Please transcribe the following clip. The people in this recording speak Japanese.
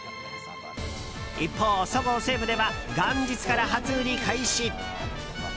一方、そごう・西武では元日から初売り開始。